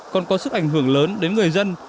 còn có sức ảnh hưởng lớn đến người dân